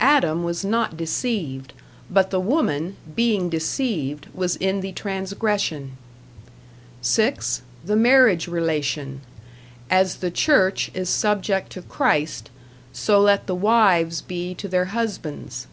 Adam was not deceived; but the woman, being deceived, was in the transgression. (6) The marriage relation. As the Church is subject to Christ, so let the wives be to their husbands.